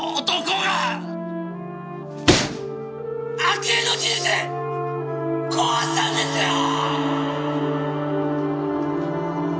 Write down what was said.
明恵の人生壊したんですよ！